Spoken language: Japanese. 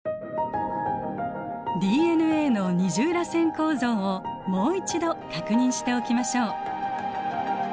ＤＮＡの二重らせん構造をもう一度確認しておきましょう。